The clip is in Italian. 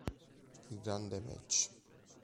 Il grande match